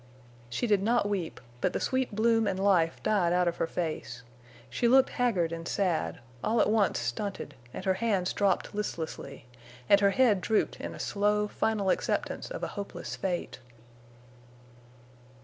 She did not weep. But the sweet bloom and life died out of her face. She looked haggard and sad, all at once stunted; and her hands dropped listlessly; and her head drooped in slow, final acceptance of a hopeless fate.